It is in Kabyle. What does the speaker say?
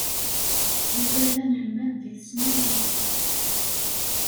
Yuba d anelmad deg tesnawit.